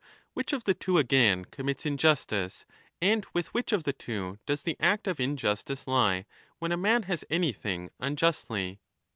Which of the two, again, commits injustice, and with which of the two does the act of injustice lie, when a man 35 has anything unjustly?